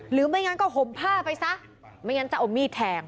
ไม่งั้นก็ห่มผ้าไปซะไม่งั้นจะเอามีดแทง